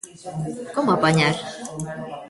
Como apañar?